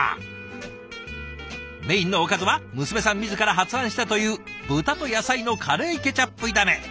メインのおかずは娘さん自ら発案したという豚と野菜のカレーケチャップ炒め。